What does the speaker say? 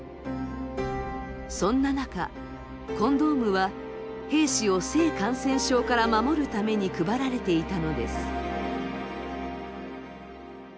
そんな中コンドームは兵士を性感染症から守るために配られていたのです。